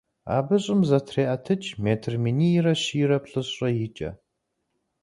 Абы щӀым зытреӀэтыкӀ метр минийрэ щийрэ плӀыщӀрэ икӀэ.